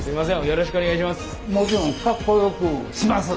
よろしくお願いします。